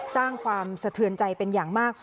สร้างความสะเทือนใจเป็นอย่างมาก